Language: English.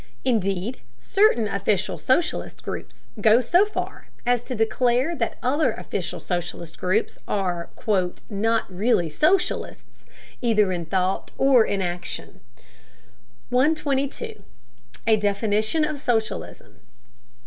Indeed, certain official socialist groups go so far as to declare that other official socialist groups are "not really socialists," either in thought or in action. 122. A DEFINITION OF SOCIALISM.